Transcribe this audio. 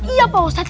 iya pak ustadz